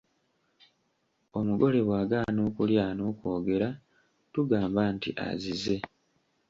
Omugole bw’agaana okulya n’okwogera tugamba nti azize.